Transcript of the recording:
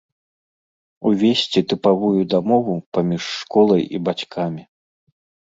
Увесці тыпавую дамову паміж школай і бацькамі.